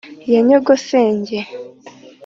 ya nyogosenge